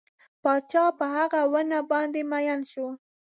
پاچا په هغه ونې باندې مین شو.